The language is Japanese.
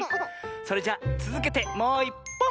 それじゃつづけてもういっぽん！